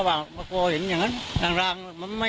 เอ่อมันก็มันเป็นส่วนราชการมาเลย